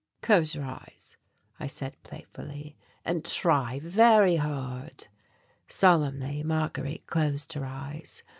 "Close your eyes," I said playfully, "and try very hard." Solemnly Marguerite closed her eyes.